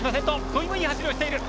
土井もいい走りをしている！